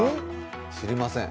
知りません。